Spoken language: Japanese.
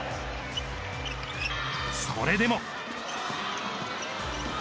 それでも。